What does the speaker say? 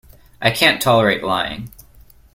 I can't tolerate lying.